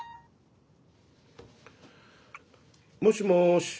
もしもし。